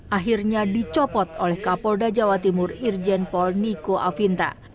akhirnya dicopot oleh kapolda jawa timur irjen polniko avinta